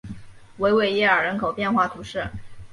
维维耶尔人口变化图示